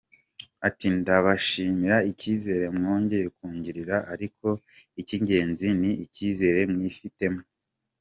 Ati” Ndabashimira icyizere mwongeye kungirira, ariko icy’ingenzi ni icyizere mwifitemo.